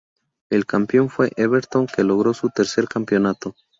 El campeón fue Everton que logró su tercer campeonato.